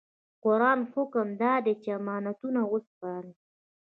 قرآني حکم دا دی چې امانتونه وسپارئ.